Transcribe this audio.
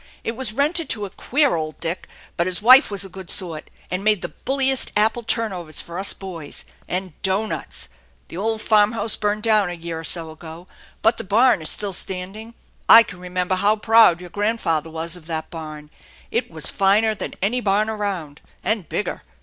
It was rented to a queer old dick; but his wife was a good sort, and made the buliiest apple turnovers for us boys and dough nuts! The old farmhouse burned down a year or so ago. But the barn is still standing. I can remember how proud your grandfather was of that barn. It was finer than any barn around, and bigger.